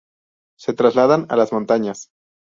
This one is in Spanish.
Se trasladan a las montañas.